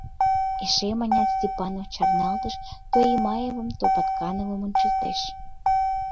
— Эше, — манят, Степанов чарналтыш, то Имаевым, то Паткановым ончыштеш.